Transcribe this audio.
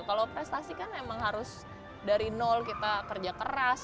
kalau prestasi kan memang harus dari nol kita kerja keras